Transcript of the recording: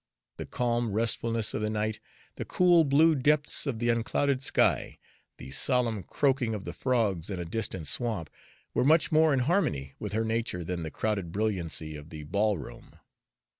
The calm restfulness of the night, the cool blue depths of the unclouded sky, the solemn croaking of the frogs in a distant swamp, were much more in harmony with her nature than the crowded brilliancy of the ball room.